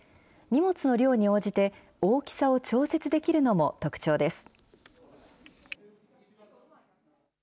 荷物の量に応じて、大きさを調節できるのも特徴です。